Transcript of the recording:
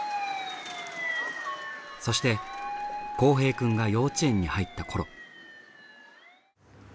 そして幸平くんが幼稚園に入ったころ。